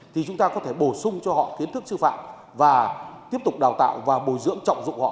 thì chúng ta có thể bổ sung cho họ kiến thức sư phạm và tiếp tục đào tạo và bồi dưỡng trọng dụng họ